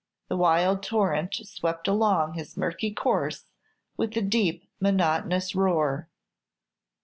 The wild torrent swept along his murky course with a deep monotonous roar.